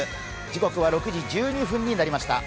時刻は６時１２分になりました。